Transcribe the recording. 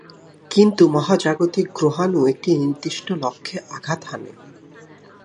কিন্তু মহাজাগতিক গ্রহাণু একটি নির্দিষ্ট লক্ষ্যে আঘাত হানে।